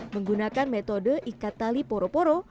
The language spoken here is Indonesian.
menggunakan metode ikat tali poro poro